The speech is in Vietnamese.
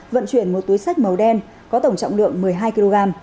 vận chuyển một túi sách màu đen có tổng trọng lượng một mươi hai kg